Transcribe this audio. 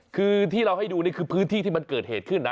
คือที่เราให้ดูนี่คือพื้นที่ที่มันเกิดเหตุขึ้นนะ